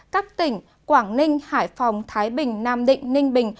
các tỉnh quảng ninh hải phòng thái bình nam định ninh bình